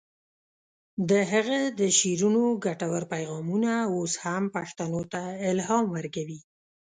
د هغه د شعرونو ګټور پیغامونه اوس هم پښتنو ته الهام ورکوي.